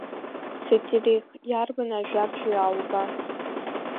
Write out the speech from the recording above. Сотерих иарбан ажәабжьу иаауга?